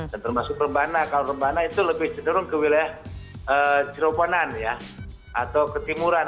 dan termasuk rebana kalau rebana itu lebih cenderung ke wilayah cirebonan ya atau ke timuran